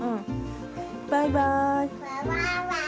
バイバイ。